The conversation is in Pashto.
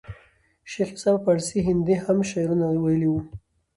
شېخ عیسي په پاړسي هندي هم شعرونه ویلي وو.